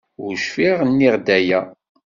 Ur cfiɣ nniɣ-d aya.